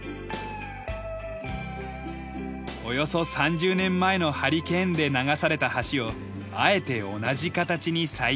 およそ３０年前のハリケーンで流された橋をあえて同じ形に再建。